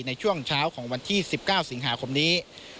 ในช่วงเช้าของวันที่๑๙สิงหาคมนี้